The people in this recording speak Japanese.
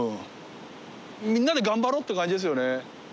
みんなで頑張ろうっていう感じですよね。